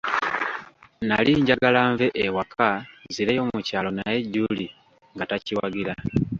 Nnali njagala nve ewaka nzireyo mu kyalo naye Julie nga takiwagira.